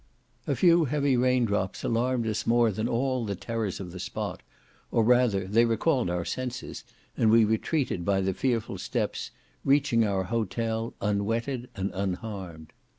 A few heavy rain drops alarmed us more than all the terrors of the spot, or rather, they recalled our senses, and we retreated by the fearful steps, reaching our hotel unwetted and unharmed.